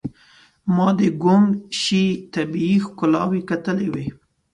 ما د ګوانګ شي طبيعي ښکلاوې کتلې وې.